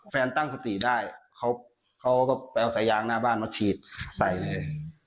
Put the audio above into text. ตั้งสติได้เขาก็ไปเอาสายยางหน้าบ้านมาฉีดใส่เลย